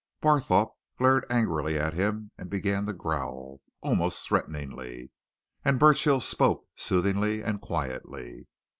Barthorpe glared angrily at him and began to growl, almost threateningly. And Burchill spoke, soothingly and quietly.